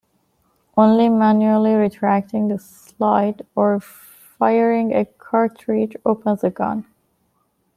Only manually retracting the slide or firing a cartridge opens the gun.